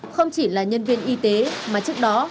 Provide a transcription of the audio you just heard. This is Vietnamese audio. không chỉ là nhân viên y tế mà trước đó